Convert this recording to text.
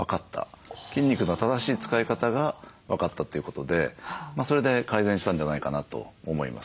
筋肉の正しい使い方が分かったということでそれで改善したんじゃないかなと思います。